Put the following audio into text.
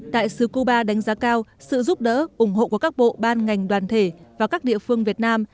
đại sứ cuba đánh giá cao sự giúp đỡ ủng hộ của các bộ ban ngành đoàn thể và các địa phương việt nam